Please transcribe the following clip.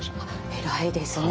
偉いですね。